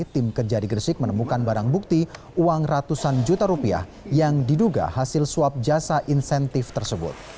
tim kejari gresik menemukan barang bukti uang ratusan juta rupiah yang diduga hasil suap jasa insentif tersebut